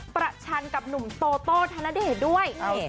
ประชันกับหนุ่มโตโต้ธนเดชด้วย